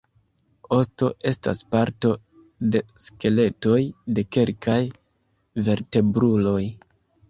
Osto estas parto de skeletoj de kelkaj vertebruloj.